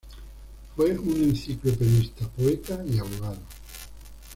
Fue un enciclopedista, poeta y abogado.